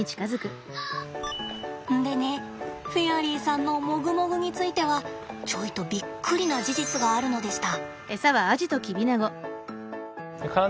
でねフェアリーさんのもぐもぐについてはちょいとびっくりな事実があるのでした。